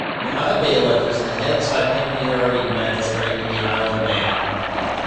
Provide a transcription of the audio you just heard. The High Bailiff is the head stipendiary magistrate in the Isle of Man.